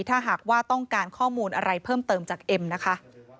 ถ้าหากว่าต้องการข้อมูลอะไรเพิ่มเติมจากเอ็มนะคะ